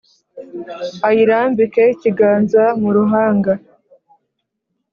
Ayirambike ikiganza mu ruhanga